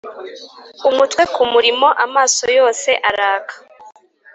umutwe kumurimo, amaso yose araka.